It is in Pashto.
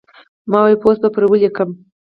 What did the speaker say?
ما وې پوسټ به پرې وليکم